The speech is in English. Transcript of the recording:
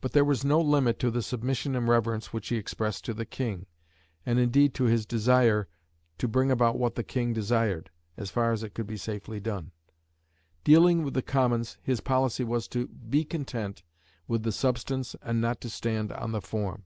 But there was no limit to the submission and reverence which he expressed to the King, and, indeed, to his desire to bring about what the King desired, as far as it could be safely done. Dealing with the Commons, his policy was "to be content with the substance and not to stand on the form."